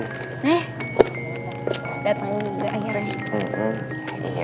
eh dateng juga akhirnya